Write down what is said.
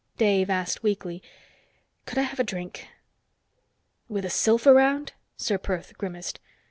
Dave asked weakly, "Could I have a drink?" "With a sylph around?" Ser Perth grimaced.